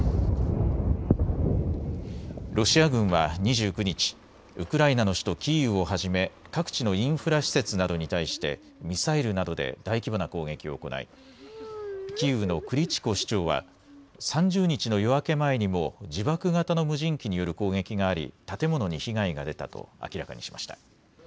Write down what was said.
ロシア軍は２９日ウクライナの首都キーウを初め、各地のインフラ施設などに対してミサイルなどで大規模な攻撃を行い、キーウのクリチコ市長は、３０日の夜明け前にも自爆型の無人機による攻撃があり、建物に被害が出たと明らかにしました。